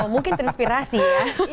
mungkin terinspirasi ya